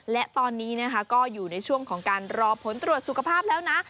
และตอนนี้นะคะก็อยู่ในช่วงของการรอผลตรวจสุขภาพแล้วนะ